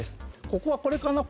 ここはこれかな？